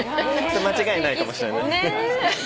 間違いないかもしれない。